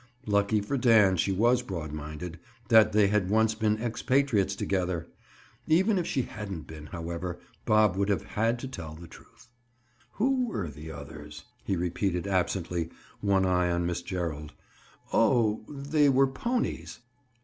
Lucky for Dan she was broad minded—that they had once been expatriates together! Even if she hadn't been, however, Bob would have had to tell the truth. "Who were the others?" he repeated absently, one eye on Miss Gerald. "Oh, they were 'ponies.